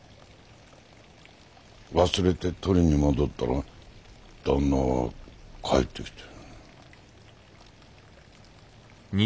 忘れて取りに戻ったら旦那が帰ってきて。